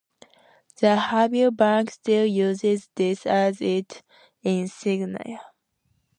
The Habib Bank still uses this as its insignia.